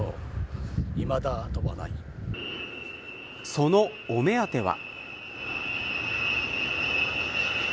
そのお目当ては。